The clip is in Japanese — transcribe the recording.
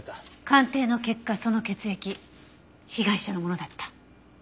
鑑定の結果その血液被害者のものだった。